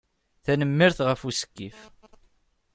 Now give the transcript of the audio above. Tanemmirt ɣef usekkif.